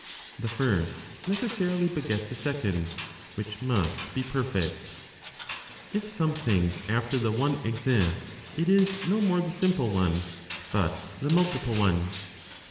THE FIRST NECESSARILY BEGETS A SECOND, WHICH MUST BE PERFECT. If something after the One exist, it is no more the simple One, but the multiple One.